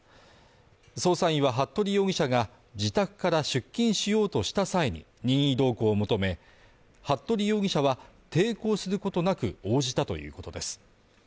捜査員は服部容疑者が自宅から出勤しようとした際に任意同行を求め、服部容疑者は抵抗することなく応じたということです。